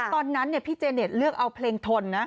ตอนนั้นพี่เจเน็ตเลือกเอาเพลงทนนะ